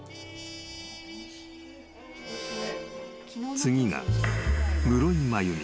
［次が室井真由美。